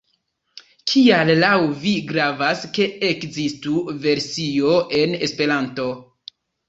Kial laŭ vi gravas, ke ekzistu versio en Esperanto?